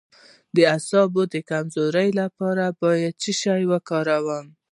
د اعصابو د کمزوری لپاره باید څه شی وکاروم؟